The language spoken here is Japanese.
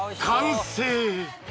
［完成］